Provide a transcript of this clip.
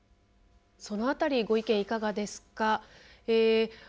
その辺りご意見いかがですか。